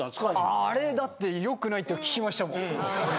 ああれだって良くないって聞きましたもん。